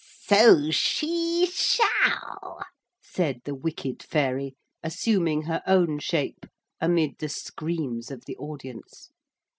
'So she shall,' said the wicked fairy, assuming her own shape amid the screams of the audience.